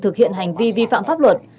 thực hiện hành vi vi phạm pháp luật